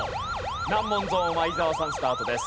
難問ゾーンは伊沢さんスタートです。